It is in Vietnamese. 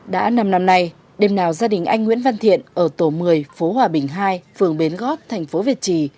đã năm năm nay đêm nào gia đình anh nguyễn văn thiện ở tổ một mươi phố hòa bình hai phường bến gót thành phố việt trì